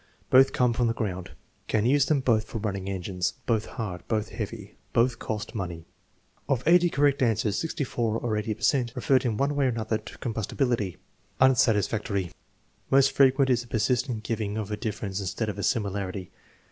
"Both come from the ground." "Can use them both for running engines." "Both hard." "Both heavy." "Both cost money." Of 80 correct answers, 6 4, or 80 per cent, referred in one way or another to combustibility. Unsatisfactory. Most frequent is the persistent giving of a dif ference instead of a similarity.